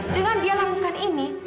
dengan dia lakukan ini